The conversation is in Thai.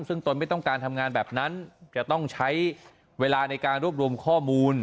ซึ่งตนไม่ต้องการทำงานแบบนั้นจะต้องใช้เวลาในการรวบรวมข้อมูล